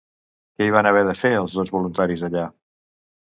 Què hi van haver de fer els dos voluntaris allà?